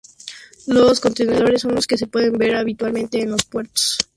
Los contenedores son los que se pueden ver habitualmente en los puertos.